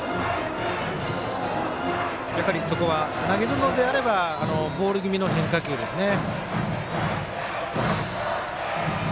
投げるのであればボール気味の変化球ですね。